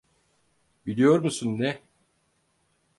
Biliyor musun ne?